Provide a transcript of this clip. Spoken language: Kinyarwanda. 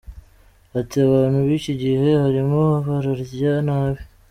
Ati “ Abantu b’iki gihe barimo bararya nabi.